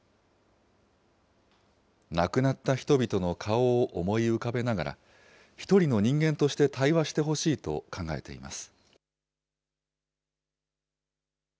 亡くなった人々の顔を思い浮かべながら、一人の人間として対話してほしいと考えています。